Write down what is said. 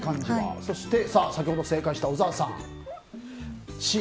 そして先ほど正解した小沢さん、Ｃ。